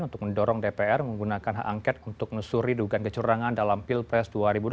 untuk mendorong dpr menggunakan hak angket untuk menusuri dugaan kecurangan dalam pilpres dua ribu empat